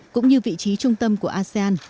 cũng như vị trí trung tâm của asean